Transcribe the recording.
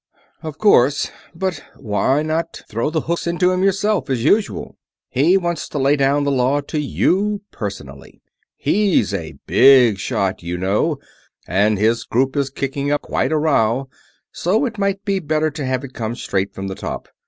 "Of course, if you say so, but why not throw the hooks into him yourself, as usual?" "He wants to lay down the law to you, personally. He's a Big Shot, you know, and his group is kicking up quite a row, so it might be better to have it come straight from the top.